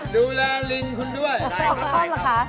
ดูแลลิงคุณด้วยได้มาก่อนค่ะ